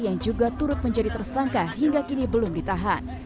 yang juga turut menjadi tersangka hingga kini belum ditahan